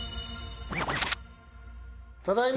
ただいま！